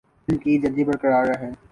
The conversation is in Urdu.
ان کی ججی برقرار ہے۔